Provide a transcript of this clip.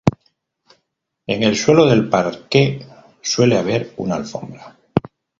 En el suelo del parque suele haber una alfombra.